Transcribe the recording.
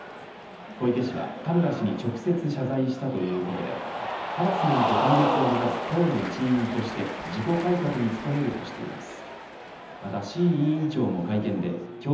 小池氏は田村氏に直接謝罪したということでハラスメント根絶を目指す党の一員として自己改革に努めるとしています。